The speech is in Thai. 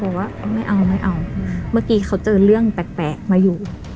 บอกว่าไม่เอาไม่เอาเมื่อกี้เขาเจอเรื่องแปลกมาอยู่